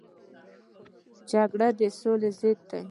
جګړه د سولې ضد ده